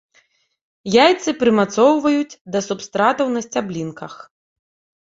Яйцы прымацоўваюць да субстрату на сцяблінках.